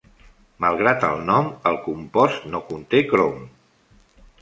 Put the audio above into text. Malgrat el nom, el compost no conté crom